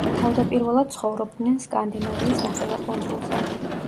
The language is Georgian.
თავდაპირველად ცხოვრობდნენ სკანდინავიის ნახევარკუნძულზე.